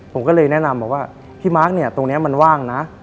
ผมก็เลยแนะนำบอกว่าพี่มาร์คเนี่ยตรงนี้มันว่างนะ